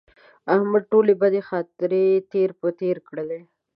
احمد ټولې بدې خاطرې تېر په تېره کړلې.